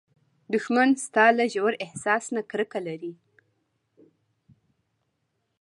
دښمن ستا له ژور احساس نه کرکه لري